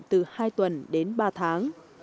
từ hai tuần đến ba tháng